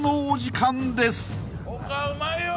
うまいよ。